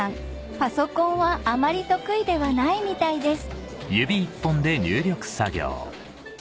パソコンはあまり得意ではないみたいです